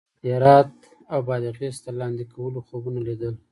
هرات او بادغیس د لاندې کولو خوبونه لیدل.